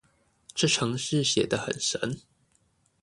這程式寫得很神